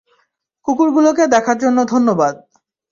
কুকুরগুলোকে দেখার জন্য ধন্যবাদ।